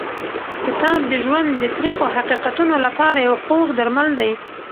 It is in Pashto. کتاب د ژوند د تریخو حقیقتونو لپاره یو خوږ درمل دی.